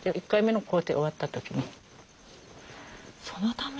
そのため？